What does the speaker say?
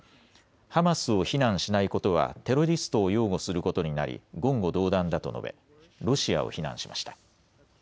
ハマスを非難しないことはテロリストを擁護することになり言語道断だと述べロシアを非難しました。